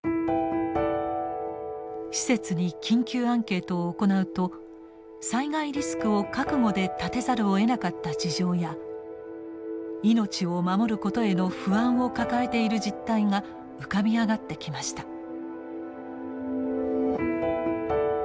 施設に緊急アンケートを行うと災害リスクを覚悟で建てざるをえなかった事情や命を守ることへの不安を抱えている実態が浮かび上がってきました。